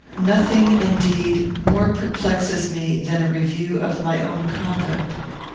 Nothing, indeed, more perplexes me than a review of my own conduct.